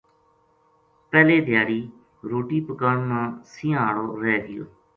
پہلے دھیاڑی روٹی پکان نا سَینہاں ہاڑو رہ گیو